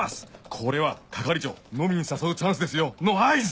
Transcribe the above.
これは「係長飲みに誘うチャンスですよ」の合図！